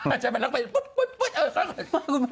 อาจจะไปลงไปปุ๊บปุ๊บปุ๊บ